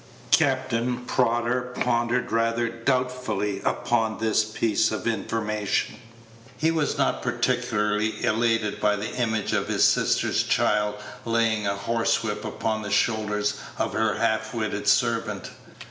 Captain Prodder pondered rather doubtfully upon this piece of information. He was not particularly elated by the image of his sister's child laying a horsewhip upon the shoulders of her half witted servant.